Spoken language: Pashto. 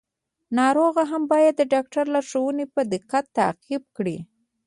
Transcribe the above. ناروغ هم باید د ډاکټر لارښوونې په دقت تعقیب کړي.